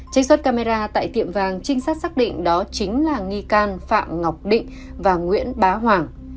trích xuất camera tại tiệm vàng trinh sát xác định đó chính là nghi can phạm ngọc định và nguyễn bá hoàng